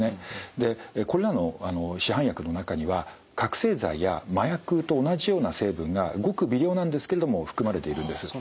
でこれらの市販薬の中には覚醒剤や麻薬と同じような成分がごく微量なんですけれども含まれているんです。